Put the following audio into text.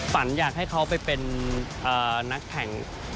ฝันอยากให้เขาไปเป็นนักแข่ง